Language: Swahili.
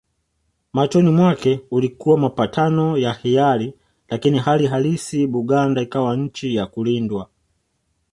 Machoni mwake ulikuwa mapatano ya hiari lakini hali halisi Buganda ikawa nchi ya kulindwa